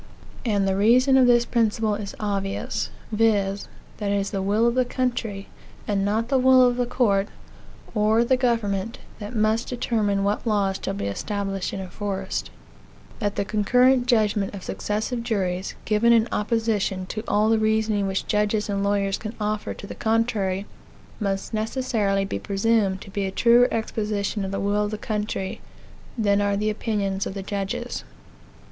And the reason of this principle is obvious, viz., that it is the will of the country, and not the will of the court, or the government, that must determine what laws shall be established and enforced; that the concurrent judgments of successive juries, given in opposition to all the reasoning which judges and lawyers can offer to the contrary, must necessarily be presumed to be a truer exposition of the will of the country, than are the opinions of the judges.